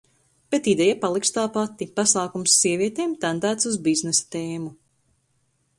Bet ideja paliks tā pati, pasākums sievietēm, tendēts uz biznesa tēmu.